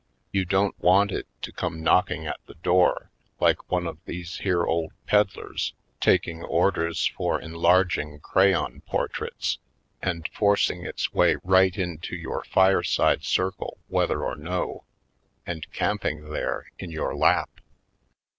You don't want it to come knocking at the door like one of these here old peddlers taking orders for enlarging crayon portraits and 118 /. Poindexter^ Colored forcing its way right into your fireside circle whether or no, and camping there in your lap.